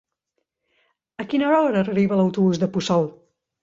A quina hora arriba l'autobús de Puçol?